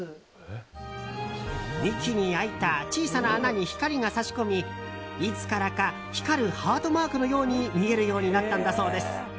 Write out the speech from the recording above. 幹に開いた小さな穴に光が差し込みいつからか光るハートマークのように見えるようになったんだそうです。